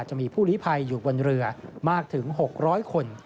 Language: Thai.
จะมีผู้ลิภัยอยู่บนเรือมากถึง๖๐๐คน